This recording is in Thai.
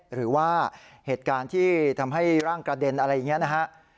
หรือว่าเหตุการณ์ที่ทำให้ร่างกระเด็นอะไรอย่างนี้นะฮะ